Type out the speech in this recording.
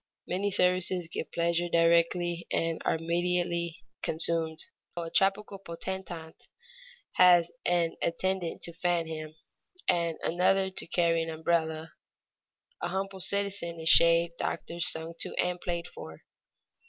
Many services give pleasure directly and are immediately consumed. A tropical potentate has an attendant to fan him, and another to carry an umbrella; a humble citizen is shaved, doctored, sung to, and played for.